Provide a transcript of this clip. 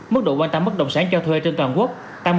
mức độ quan tâm bất động sản cho thuê trên toàn quốc tăng